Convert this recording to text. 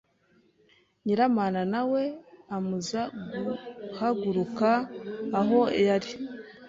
Nyiramana na we amuuza guhaguruka aho yari